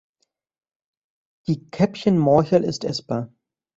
Die Käppchen-Morchel ist essbar.